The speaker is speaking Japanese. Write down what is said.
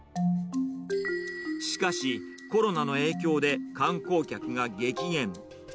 しかし、コロナの影響で観光客が激減。